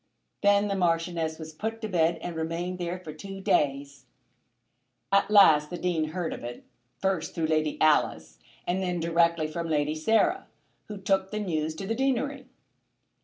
Then the Marchioness was put to bed and remained there for two days. At last the Dean heard of it, first through Lady Alice, and then directly from Lady Sarah, who took the news to the deanery.